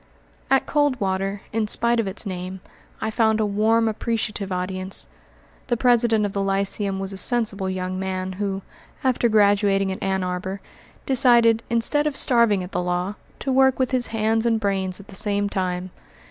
At Coldwater, in spite of its name, I found a warm, appreciative audience. The president of the lyceum was a sensible young man who, after graduating at Ann Arbor, decided, instead of starving at the law, to work with his hands and brains at the same time.